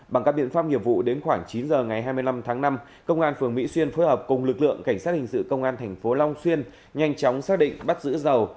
bằng các biện pháp nghiệp vụ đến khoảng chín giờ ngày hai mươi năm tháng năm công an phường mỹ xuyên phối hợp cùng lực lượng cảnh sát hình sự công an thành phố long xuyên nhanh chóng xác định bắt giữ dầu